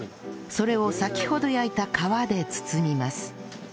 それを先ほど焼いた皮で包みます